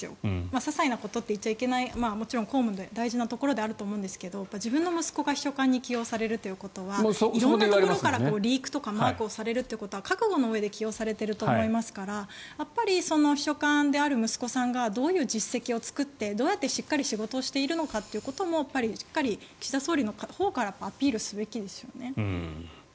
ささいなことと言っちゃいけない公務という大事なところだとは思うんですが自分の息子が秘書官に起用されるということは色々なところからリークされるとかマークされるのは覚悟のうえで起用されていると思いますからやっぱり秘書官である息子さんがどういう実績を作ってどうやってしっかり仕事をしているのかということもしっかり岸田総理のほうからアピールすべきですよね。